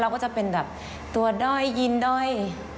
ก็จะเป็นแบบตัวด้อยยินด้อย